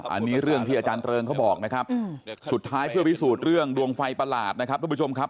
อันนี้เรื่องที่อาจารย์เริงเขาบอกนะครับสุดท้ายเพื่อพิสูจน์เรื่องดวงไฟประหลาดนะครับทุกผู้ชมครับ